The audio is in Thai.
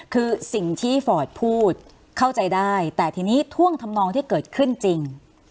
คือสิ่งที่ฟอร์ดพูดเข้าใจได้แต่ทีนี้ท่วงทำนองที่เกิดขึ้นจริง